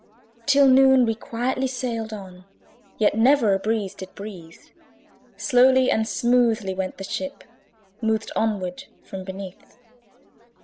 Till noon we quietly sailed on, Yet never a breeze did breathe: Slowly and smoothly went the ship, Moved onward from beneath.